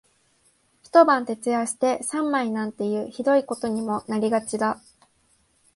一晩徹夜して三枚なんていう酷いことにもなりがちだ